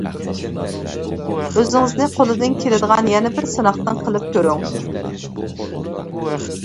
ئۆزىڭىزنى قولىدىن كېلىدىغان يەنە بىر سىناقنى قىلىپ كۆرۈڭ.